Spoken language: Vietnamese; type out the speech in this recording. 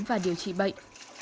và điều trị bệnh